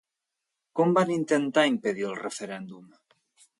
Com van intentar impedir el referèndum?